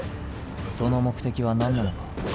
その目的は何なのか。